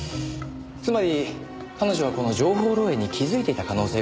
つまり彼女はこの情報漏洩に気づいていた可能性が高いんです。